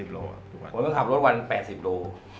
ผมก็ขับรถวัน๘๐โล